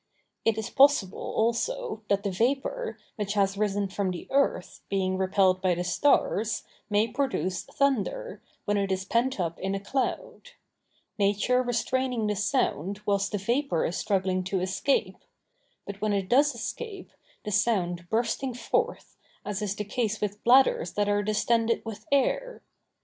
It is possible also that the vapor, which has risen from the earth, being repelled by the stars, may produce thunder, when it is pent up in a cloud; nature restraining the sound whilst the vapor is struggling to escape; but when it does escape, the sound bursting forth, as is the case with bladders that are distended with air.